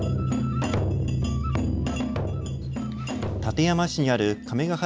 館山市にある亀ケ原